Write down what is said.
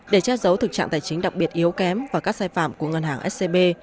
để che giấu thực trạng tài chính đặc biệt yếu kém và các sai phạm của ngân hàng scb